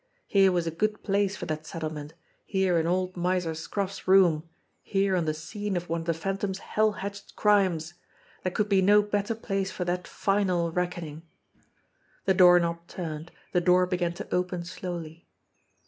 Here was a good place for that settlement, here in old Miser Scroff's room, here on the scene of one of the Phantom's hell hatched crimes there could be no better place for that final reckoning ! The doorknob turned, the door began to open slowly.